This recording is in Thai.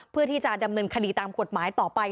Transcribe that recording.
เพื่อที่จะดำเนินคดีตามกฎหมายต่อไป